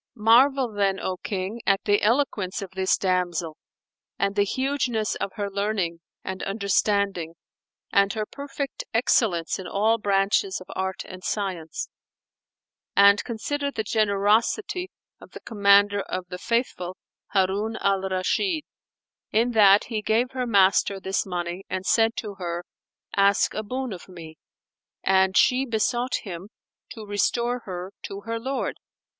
Marvel then, O King, at the eloquence of this damsel and the hugeness of her learning and understanding and her perfect excellence in all branches of art and science; and consider the generosity of the Commander of the Faithful, Harun al Rashid, in that he gave her master this money and said to her, "Ask a boon of me;" and she besought him to restore her to her lord.